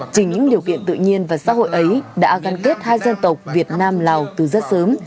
trình những điều kiện tự nhiên và xã hội ấy đã gắn kết hai dân tộc việt nam lào từ rất sớm